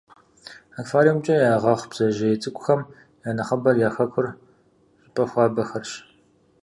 Аквариумкӏэ ягъэхъу бдзэжьей цӏыкӏухэм я нэхъыбэм я хэкур щӏыпӏэ хуабэхэрщ.